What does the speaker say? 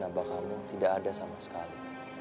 naba kamu tidak ada sama sekali